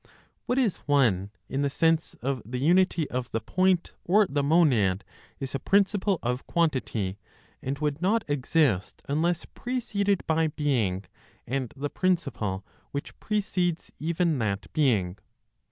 What is one in the sense of the unity of the point or the monad, is a principle of quantity, and would not exist unless preceded by being and the principle which precedes even that being.